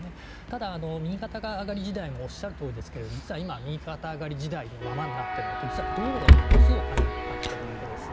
ただ、右肩上がり時代もおっしゃるとおりで実は今、右肩上がり時代のままになっているのは実は道路にものすごいお金がかかっているわけです。